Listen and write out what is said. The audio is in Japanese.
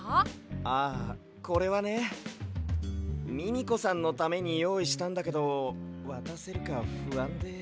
ああこれはねミミコさんのためによういしたんだけどわたせるかふあんで。